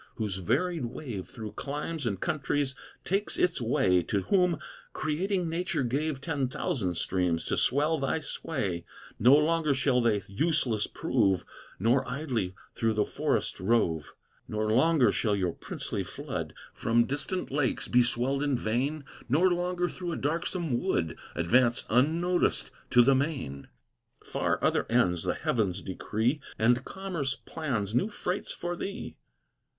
whose varied wave Through climes and countries takes its way, To whom creating Nature gave Ten thousand streams to swell thy sway! No longer shall they useless prove, Nor idly through the forests rove; Nor longer shall your princely flood From distant lakes be swelled in vain, Nor longer through a darksome wood Advance unnoticed to the main; Far other ends the heavens decree And commerce plans new freights for thee.